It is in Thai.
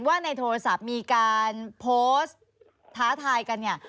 ว่าในโทรศัพท์มีการโพสต์ท้าทายกันเนี่ย